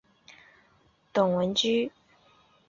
董文驹为乾隆三十一年丙戌科三甲进士。